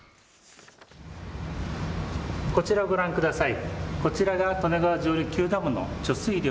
こちらご覧ください。